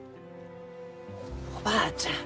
おばあちゃん